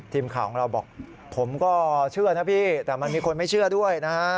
ทีมข่าวของเราบอกผมก็เชื่อนะพี่แต่มันมีคนไม่เชื่อด้วยนะฮะ